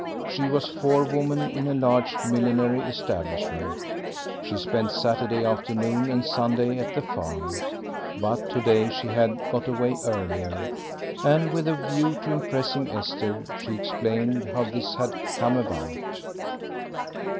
She was forewoman in a large millinery establishment. She spent Saturday afternoon and Sunday at the farm, but to day she had got away earlier, and with the view to impressing Esther, she explained how this had come about.